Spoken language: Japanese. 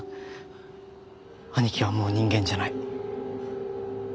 兄貴はもう人間じゃない。